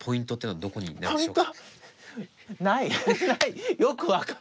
はい。